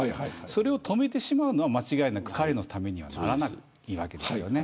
それを止めてしまうのは間違いなく彼のためにはならないわけです。